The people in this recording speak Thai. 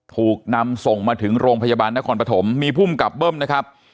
ถูกนำส่งมาถึงโรงพยาบาลนครปฐมมีภูมิกับเบิ้มนะครับ